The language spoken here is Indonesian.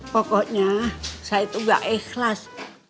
pokoknya saya itu gak ikhlas